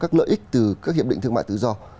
các lợi ích từ các hiệp định thương mại tự do